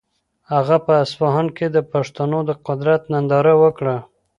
هغه په اصفهان کې د پښتنو د قدرت ننداره وکړه.